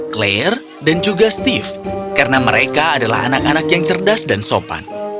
clear dan juga steve karena mereka adalah anak anak yang cerdas dan sopan